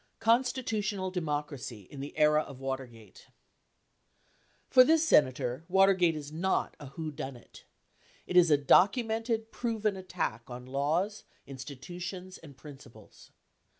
CONSTITUTIONAL DEMOCRACY IN THE ERA OF WATERGATE For this Senator, Watergate is not a whodunit. It is a documented, proven attack on laws, institutions, and prin ciples.